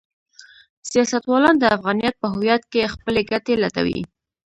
سیاستوالان د افغانیت په هویت کې خپلې ګټې لټوي.